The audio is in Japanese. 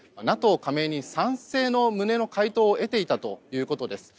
加盟に賛成の旨の回答を得ていたということです。